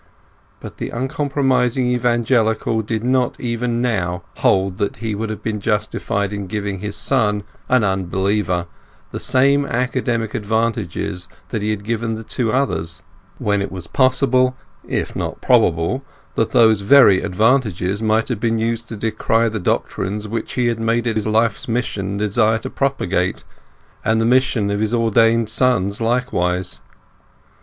But the uncompromising Evangelical did not even now hold that he would have been justified in giving his son, an unbeliever, the same academic advantages that he had given to the two others, when it was possible, if not probable, that those very advantages might have been used to decry the doctrines which he had made it his life's mission and desire to propagate, and the mission of his ordained sons likewise.